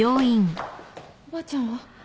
おばあちゃんは？